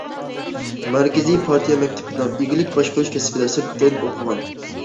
مەركىزىي پارتىيە مەكتىپىنىڭ ئىگىلىك باشقۇرۇش كەسپىدە سىرتتىن ئوقۇغان.